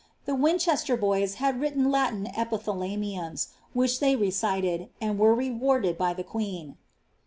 The Winchester boys had written Latin epiihalamiums. which they recited, and were rewarded by the queen.